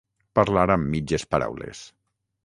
Parlar amb mitges paraules.